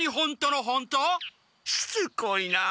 しつこいな。